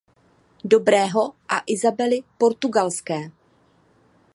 Dobrého a Isabely Portugalské.